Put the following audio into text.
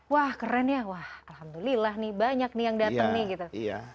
wah keren ya wah alhamdulillah nih banyak nih yang datang nih gitu